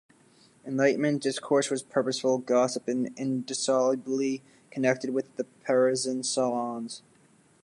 Enlightenment discourse was purposeful gossip and indissolubly connected with the Parisian salons.